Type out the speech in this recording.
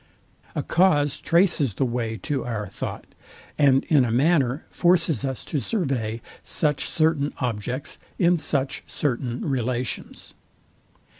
A cause traces the way to our thought, and in a manner forces us to survey such certain objects, in such certain relations.